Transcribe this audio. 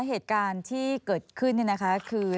เหตุการณ์ที่เกิดขึ้นคือ